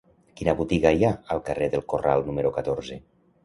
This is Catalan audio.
Quina botiga hi ha al carrer del Corral número catorze?